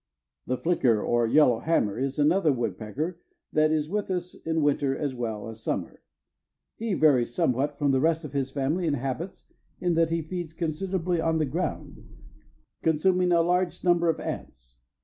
The flicker or yellow hammer is another woodpecker that is with us in winter as well as summer. He varies somewhat from the rest of his family in habits, in that, he feeds considerably on the ground, consuming a large number of ants.